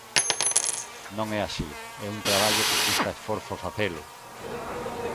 Non é así, é un traballo que custa esforzo facelo.